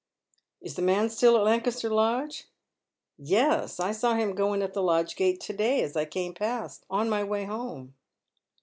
" Is the man still at Lancaster Lodge ?"" Yes. I saw him go in at the lodge gate to day as I came past on my way home."